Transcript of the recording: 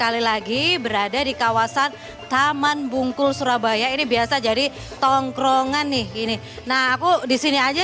kali lagi berada di kawasan taman bungkul surabaya ini biasa jadi tongkrongan nih ini nah aku disini aja